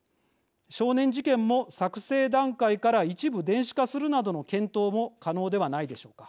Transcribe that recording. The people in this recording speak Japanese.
少年事件も作成段階から一部電子化するなどの検討も可能ではないでしょうか。